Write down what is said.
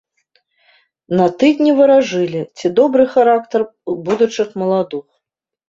На тыдні варажылі, ці добры характар у будучых маладух.